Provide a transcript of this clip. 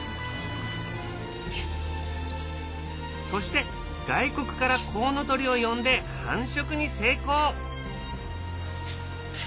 そして外国からコウノトリを呼んで繁殖に成功。